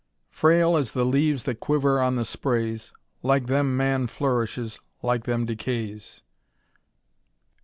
'^ Frail as the leaves that quiver on the sprays, Like them man flourishes, like them decays."